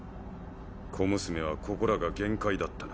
小娘はここらが限界だったな。